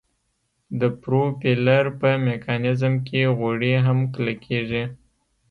د پروپیلر په میکانیزم کې غوړي هم کلکیږي